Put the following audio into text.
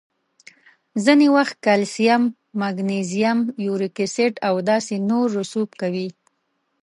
ځینې وخت کلسیم، مګنیزیم، یوریک اسید او داسې نور رسوب کوي.